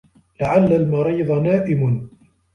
لَعَلَّ الْمَرِيضَ نَائِمٌ.